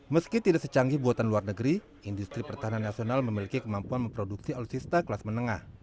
meski tidak secanggih buatan luar negeri industri pertahanan nasional memiliki kemampuan memproduksi alutsista kelas menengah